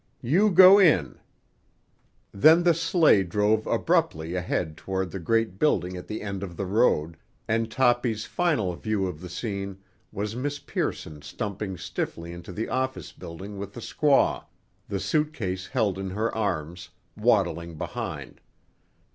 "You go in." Then the sleigh drove abruptly ahead toward the great building at the end of the road, and Toppy's final view of the scene was Miss Pearson stumping stiffly into the office building with the squaw, the suitcase held in her arms, waddling behind.